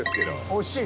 惜しい？